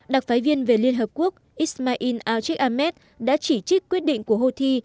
đặc phái viên về liên hợp quốc ismail al sheikh ahmed đã chỉ trích quyết định của houthi